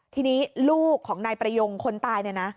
ทีนี้ลูกของนายประยงคนตายเนี่ยนะ